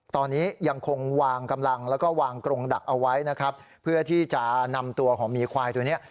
ตอนนี้ยังคงวางกำลังแล้วก็วางกรงดักเอาไว้นะครับเพื่อที่จะนำตัวของหมีควายตัวเนี้ย